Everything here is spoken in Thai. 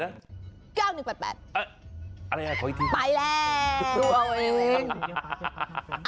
ดูเอาเอง